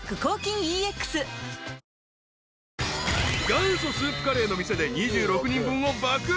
［元祖スープカレーの店で２６人分を爆おごり］